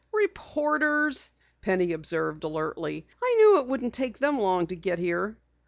"Reporters!" Penny observed alertly. "I knew it wouldn't take them long to get here!"